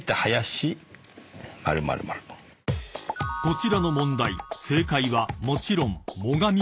［こちらの問題正解はもちろん］